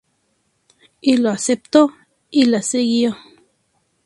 Ilo aceptó y la siguió.